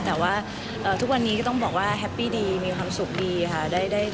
แต่ว่าทุกวันนี้ก็ต้องบอกว่าแฮปปี้ดีมีความสุขดีค่ะ